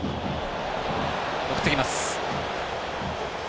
送ってきました。